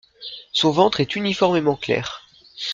Son ventre est uniformément clair.